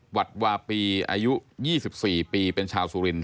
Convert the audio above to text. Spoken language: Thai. วัดวาปีอายุ๒๔ปีเป็นชาวสุรินท